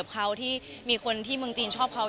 แต่ว่าเราสองคนเห็นตรงกันว่าก็คืออาจจะเรียบง่าย